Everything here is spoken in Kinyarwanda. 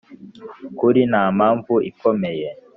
Kuri nta mpamvu ikomeye